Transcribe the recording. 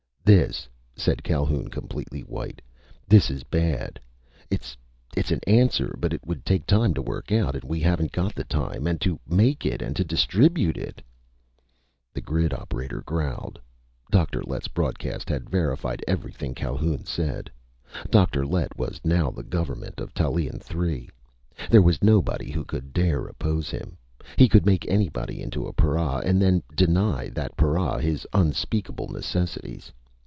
"This," said Calhoun, completely white, "This is bad! It's ... it's an answer, but it would take time to work it out, and we haven't got the time! And to make it and to distribute it " The grid operator growled. Dr. Lett's broadcast had verified everything Calhoun said. Dr. Lett was now the government of Tallien Three. There was nobody who could dare oppose him. He could make anybody into a para, and then deny that para his unspeakable necessities.